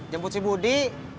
jemput si budi